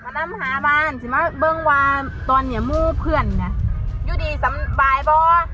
มานำหาบ้านฉี่มาเบิงว่าตอนเนี้ยมูเพื่อนละยู่ดีสำไบบ่